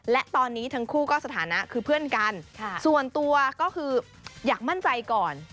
และตอนนี้ทั้งคู่ก็สถานะคือเพื่อนกันส่วนตัวก็คืออยากมั่นใจก่อน